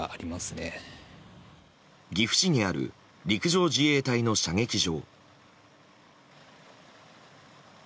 岐阜市にある陸上自衛隊の射撃場。